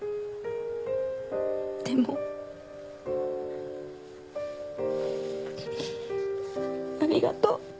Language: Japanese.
でもありがとう